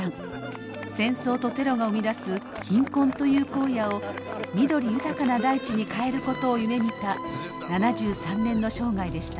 戦争とテロが生み出す貧困という荒野を緑豊かな大地に変えることを夢みた７３年の生涯でした。